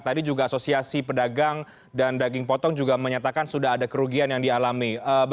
tadi juga asosiasi pedagang dan daging potong juga menyatakan sudah ada kerugian yang dialami